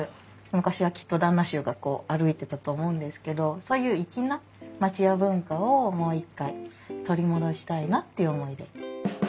昔はきっと旦那衆が歩いてたと思うんですけどそういう粋な町家文化をもう一回取り戻したいなっていう思いで。